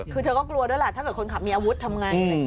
คือเธอก็กลัวด้วยแหละถ้าเกิดคนขับมีอาวุธทำไง